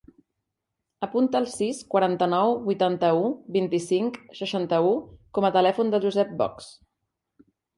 Apunta el sis, quaranta-nou, vuitanta-u, vint-i-cinc, seixanta-u com a telèfon del Josep Box.